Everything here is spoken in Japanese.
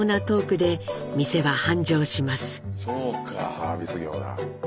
サービス業だ。